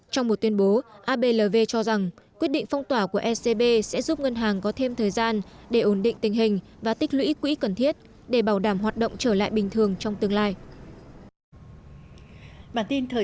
trong một tuyên bố ablv cho rằng quyết định phong tỏa của ecb sẽ giúp ngân hàng có thêm thời gian để ổn định tình hình và tích lũy quỹ cần thiết để bảo đảm hoạt động trở lại bình thường trong tương lai